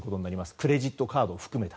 クレジットカード含めて。